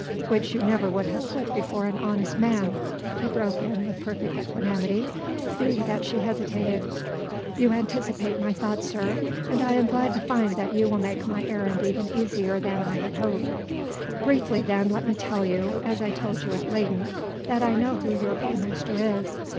"Which you never would have put before an honest man," he broke in with perfect equanimity, seeing that she hesitated. "You anticipate my thought, sir: and I am glad to find that you will make my errand even easier than I had hoped. Briefly then let me tell you as I told you at Leyden that I know who your paymaster is.